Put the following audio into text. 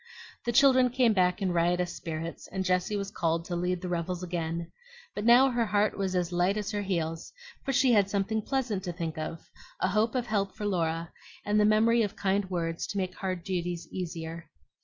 The children came back in riotous spirits, and Jessie was called to lead the revels again. But now her heart was as light as her heels; for she had something pleasant to think of, a hope of help for Laura, and the memory of kind words to make hard duties easier.